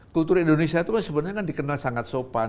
kulturnya indonesia itu sebenarnya dikenal sangat sopan